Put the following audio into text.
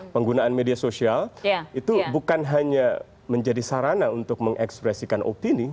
penggunaan media sosial itu bukan hanya menjadi sarana untuk mengekspresikan opini